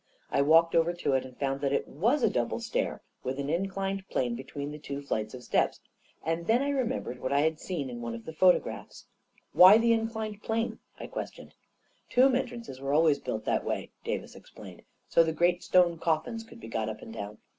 I walked over to it and found that it was a double stair, with an inclined plane be tween the two flights of steps. And then I re membered that I had seen it in one of the photo graphs. " Why the inclined plane ?" I questioned. u Tomb entrances were always built that way," Davis explained, " so the great stone coffins could be got up and down."